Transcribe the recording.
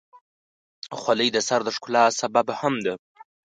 خولۍ د سر د ښکلا سبب هم ده.